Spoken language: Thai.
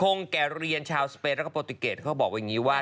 แก่เรียนชาวสเปนแล้วก็โปรติเกตเขาบอกอย่างนี้ว่า